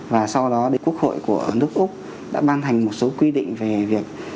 và sau đó quốc hội của nước úc đã ban thành một số quy định về việc